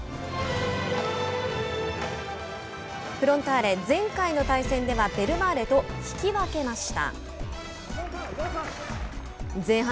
きょうは１６位のフロンターレ前回の対戦ではベルマーレと引き分けました。